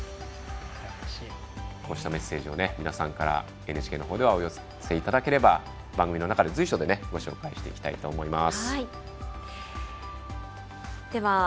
こうしたメッセージ皆さんからＮＨＫのほうにお寄せいただければ番組の中で随所でお送りしたいと思います。